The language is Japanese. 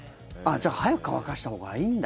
じゃあ早く乾かしたほうがいいんだ。